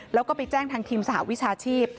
แล้วก็ไปแจ้งทางทีมสหวิชาชีพ